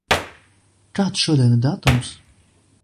Kāds šodien ir datums?